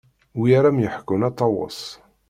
Wi ara am-yeḥkun a Ṭawes.